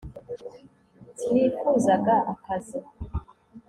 sinifuzaga akazi